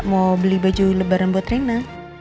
mau beli baju lebaran buat rena